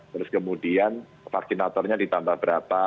terus kemudian vaksinatornya ditambah berapa